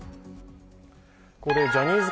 ここでジャニーズ